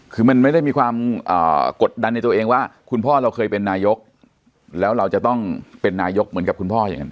คือมันไม่ได้มีความกดดันในตัวเองว่าคุณพ่อเราเคยเป็นนายกแล้วเราจะต้องเป็นนายกเหมือนกับคุณพ่ออย่างนั้น